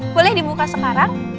boleh dibuka sekarang